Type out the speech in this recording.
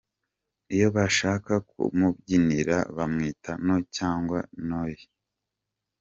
Iyo bashaka ku mubyinirira bamwita ‘No’ cyangwa ‘Noey’.